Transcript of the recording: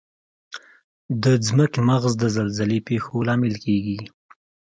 د ځمکې مغز د زلزلې پېښو لامل کیږي.